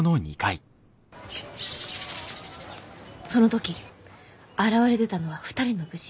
「その時現れ出たのは二人の武士。